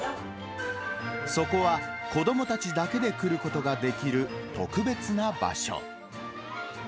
そこは、子どもたちだけで来ることができる特別な場所。